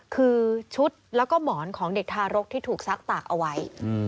คือชุดแล้วก็หมอนของเด็กทารกที่ถูกซักตากเอาไว้